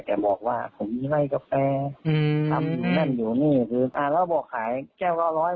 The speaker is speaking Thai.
แต่บอกว่าผมไม่ไหล่กาแฟอืมทำแน่นอยู่นี่คืออ่าแล้วบอกขายแก้วเก้าร้อย